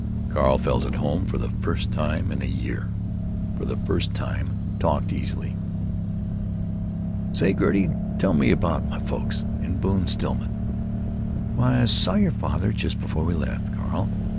Carl felt at home for the first time in a year; for the first time talked easily. "Say, Gertie, tell me about my folks, and Bone Stillman." "Why, I saw your father just before we left, Carl.